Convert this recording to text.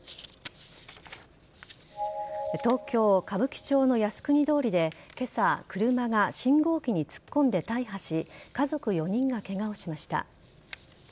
東京・歌舞伎町の靖国通りで今朝、車が信号機に突っ込んで大破し家族４人がケガをしました。